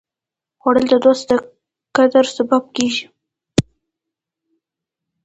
خوړل د دوست د قدر سبب کېږي